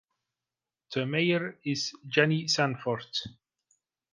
The mayor is Jennie Sanford.